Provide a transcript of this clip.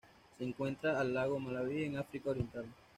Se encuentra el lago Malawi en África Oriental.